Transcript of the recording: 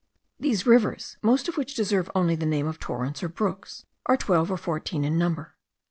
These rivers, most of which deserve only the name of torrents, or brooks,* are twelve or fourteen in number.